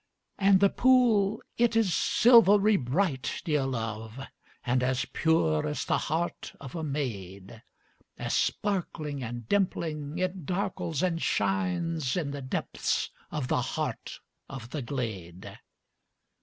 And the pool, it is silvery bright, dear love, And as pure as the heart of a maid, As sparkling and dimpling, it darkles and shines In the depths of the heart of the glade.